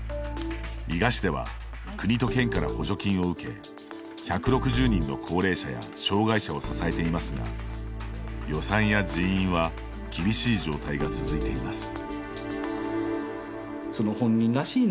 伊賀市では国と県から補助金を受け１６０人の高齢者や障害者を支えていますが予算や人員は厳しい状態が続いています。